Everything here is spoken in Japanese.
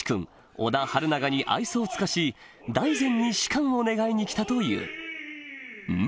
小田春永に愛想を尽かし大膳に仕官を願いに来たというん？